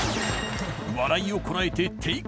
笑いをこらえてテイク